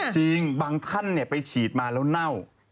สิงบางท่านเนี้ยไปฉีดมาแล้วเน่า